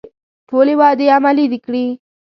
ټولې وعدې عملي کړي.